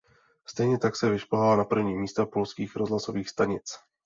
Stejně tak se vyšplhala na první místa polských rozhlasových stanic..